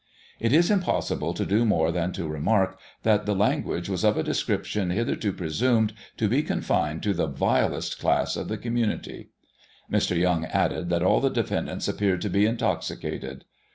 It is impossible to do more than to remark that the language was of a description hitherto presumed to be confined to the vilest class of the commimity. Mr. Yoimg added that all the defendants appeared to be intoxicated.